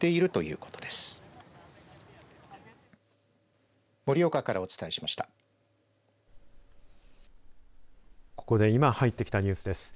ここで今入ってきたニュースです。